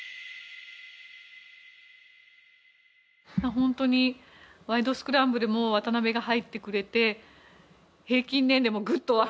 本当に『ワイド！スクランブル』も渡辺が入ってくれて平均年齢もグッと若返り。